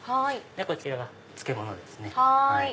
こちらが漬物ですね。